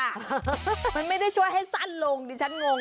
มันไม่ได้ช่วยให้สั้นลงดิฉันงง